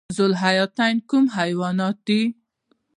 ذوحیاتین کوم حیوانات دي؟